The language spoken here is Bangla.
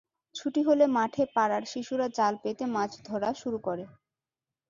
ছুটি হলে মাঠে পাড়ার শিশুরা জাল পেতে মাছ ধরা শুরু করে।